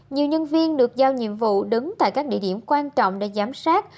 nhiều nhân viên được giao nhiệm vụ đứng tại các địa điểm quan trọng để giám sát